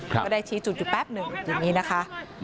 ก็ได้ชี้จุดอยู่แป๊บหนึ่งอย่างนี้นะคะ